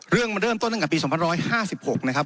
เรื่องมันเริ่มต้นตั้งกันกับปี๒๐๑๖นะครับ